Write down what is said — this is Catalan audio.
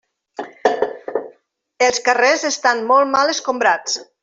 Els carrers estan molt mal escombrats.